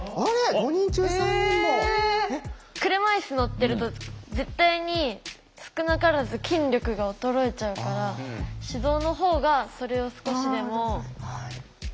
車いす乗ってると絶対に少なからず筋力が衰えちゃうから手動の方がそれを少しでも何て言うんだろう